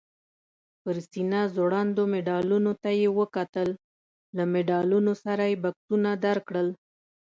پر سینه ځوړندو مډالونو ته یې وکتل، له مډالونو سره یې بکسونه درکړل؟